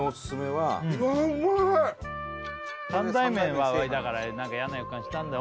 三大麺はだから何かイヤな予感したんだよ